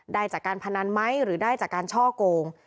ได้จากการพนันไหมหรือได้จากการช่อโกง